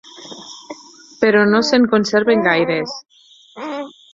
Però no se'n conserven gaires.